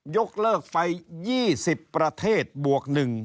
ยกเลิกไฟ๒๐ประเทศบวก๑